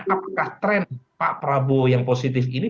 apakah tren pak prabowo yang positif ini